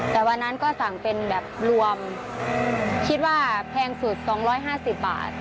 แต่วันนั้นก็สั่งเป็นแบบรวมคิดว่าแพงสุดสองร้อยห้าสิบบาท